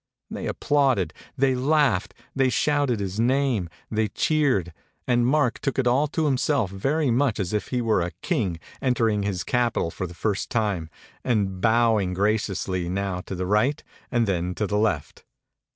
They applauded, they laughed, they shouted his name, they cheered ; and Mark took it all to himself very much as if he were a King entering his capital for the first time, and bow ing graciously now to the right and then to the left.